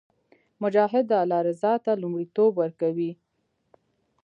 مجاهد د الله رضا ته لومړیتوب ورکوي.